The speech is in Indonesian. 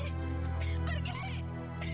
rati aku menyesal